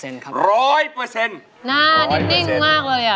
หน้านิ่งนิ่งมากเลย